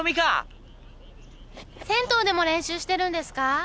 銭湯でも練習してるんですか？